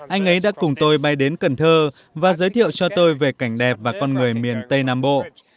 anh ấy đã cùng tôi bay đến cần thơ và giới thiệu cho tôi về cảnh đẹp và con người miền tây nam bộ